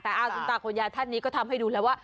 แต่อาสุนตาขวนยาท่านนี้ก็ทำให้ดูแลว่า